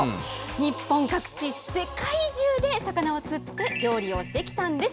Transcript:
日本各地、世界中で魚を釣って料理をしてきたんです。